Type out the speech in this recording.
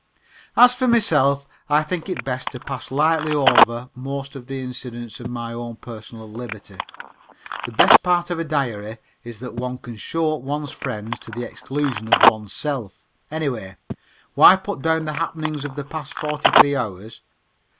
As for myself, I think it best to pass lightly over most of the incidents of my own personal liberty. The best part of a diary is that one can show up one's friends to the exclusion of oneself. Anyway, why put down the happenings of the past forty three hours?